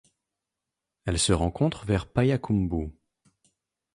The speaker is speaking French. Elle se rencontre vers Payakumbuh.